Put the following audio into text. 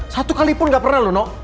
satu kalipun gak pernah lho no